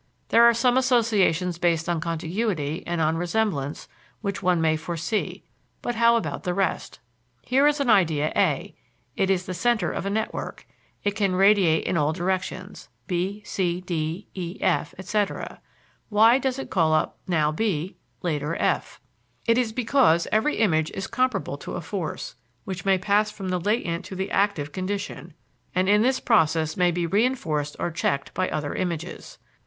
There are some associations based on contiguity and on resemblance which one may foresee, but how about the rest? Here is an idea A; it is the center of a network; it can radiate in all directions B, C, D, E, F, etc. Why does it call up now B, later F? It is because every image is comparable to a force, which may pass from the latent to the active condition, and in this process may be reinforced or checked by other images.